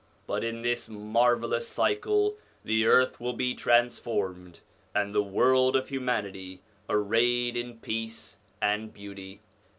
But in this marvellous cycle the earth will be transformed, and the world of humanity arrayed in peace and beauty.